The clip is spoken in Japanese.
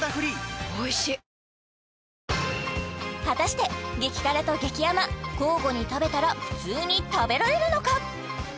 果たして激辛と激甘交互に食べたら普通に食べられるのか？